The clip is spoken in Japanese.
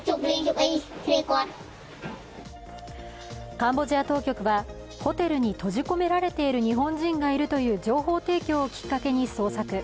カンボジア当局はホテルに閉じ込められている日本人がいるという情報提供をきっかけに捜索。